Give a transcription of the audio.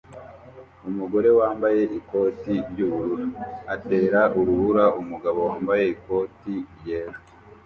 Umugore wambaye ikoti ry'ubururu atera urubura umugabo wambaye ikoti ryera